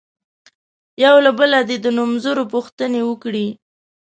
یو له بله نه دې د نومځرو پوښتنې وکړي.